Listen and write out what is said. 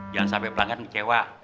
jangan sampe pelanggan ngecewa